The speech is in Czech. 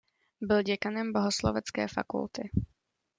Byl děkanem bohoslovecké fakulty.